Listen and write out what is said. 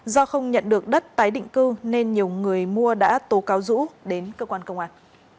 do không nhận được đất tái định cư nên nhiều người mua đã tố cáo dũ đến cơ quan công an